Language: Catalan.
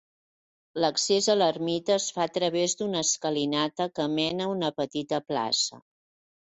L'accés a l'ermita es fa a través d'una escalinata que mena a una petita plaça.